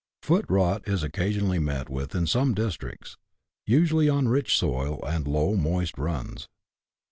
Foot rot is occasionally met with in some districts, usually on rich soil and low, moist runs.